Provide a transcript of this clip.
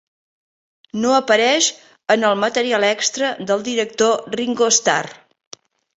No apareix en el material extra del director Ringo Starr.